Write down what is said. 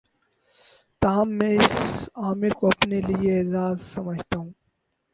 تاہم میں اس امر کو اپنے لیے اعزا ز سمجھتا ہوں